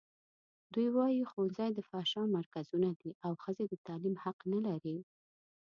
دوی وايي ښوونځي د فحشا مرکزونه دي او ښځې د تعلیم حق نه لري.